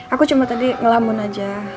aku cuma tadi ngelamun aja